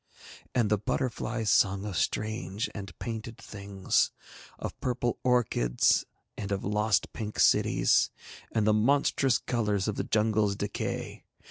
And the butterflies sung of strange and painted things, of purple orchids and of lost pink cities and the monstrous colours of the jungle's decay.